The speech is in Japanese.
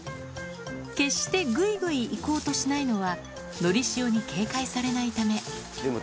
決してぐいぐいいこうとしないのは、のりしおに警戒されないため。